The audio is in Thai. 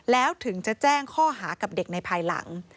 แล้วถึงจะแจ้งข้อหากับเด็กในภายหลัง